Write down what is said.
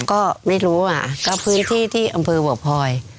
ก็ไม่รู้อ่ะก็พื้นที่ที่อำเภอบ่อพลอย